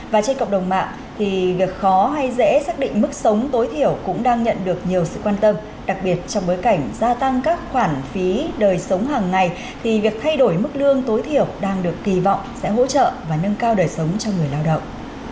và trên cộng đồng mạng thì việc khó hay dễ xác định mức sống tối thiểu cũng đang nhận được nhiều sự quan tâm đặc biệt trong bối cảnh gia tăng các khoản phí đời sống hàng ngày thì việc thay đổi mức lương tối thiểu đang được kỳ vọng sẽ hỗ trợ và nâng cao đời sống cho người lao động